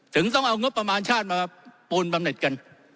ถึงต้องเอางบประมาณชาติมาปูนบำเน็ตกัน